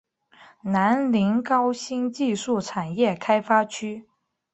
南宁高新技术产业开发区